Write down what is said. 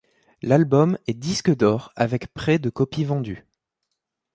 L'album est disque d'or avec près de copies vendues.